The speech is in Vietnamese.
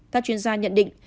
ta chuyên gia nhận định